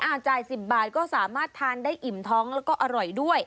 จ่าย๑๐บาทก็สามารถทานได้อิ่มท้องแล้วก็อร่อยด้วย